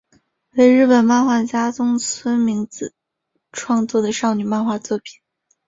为日本漫画家东村明子创作的少女漫画作品。